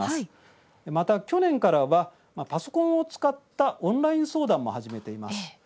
また、去年からはパソコンを使ったオンライン相談も始めています。